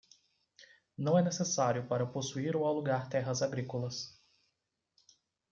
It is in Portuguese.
Não é necessário para possuir ou alugar terras agrícolas